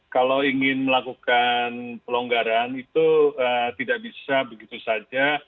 kalau ingin melakukan pelonggaran itu tidak bisa begitu saja